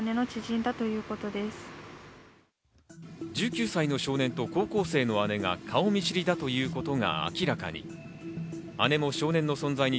１９歳の少年と高校生の姉が顔見知りだということが明らかに。